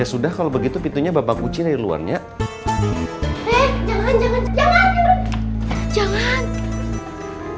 ya sudah kalau begitu pintunya bapak ucir luarnya jangan jangan jangan jangan jangan